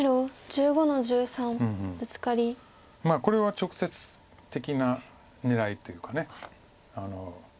これは直接的な狙いというか。